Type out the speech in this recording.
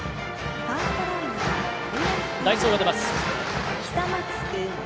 代走が出ます。